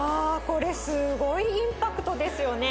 これすごいインパクトですよね